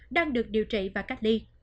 đang được điều trị và cách ly